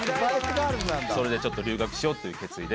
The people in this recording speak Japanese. それでちょっと留学しようという決意で。